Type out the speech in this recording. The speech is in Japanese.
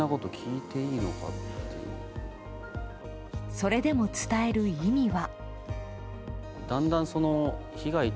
それでも伝える意味は。